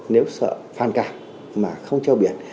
nếu sợ phàn cảm mà không treo biển